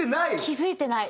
気付いてない。